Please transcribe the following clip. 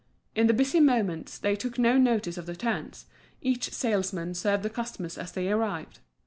In the busy moments they took no notice of the turns, each salesman served the customers as they arrived.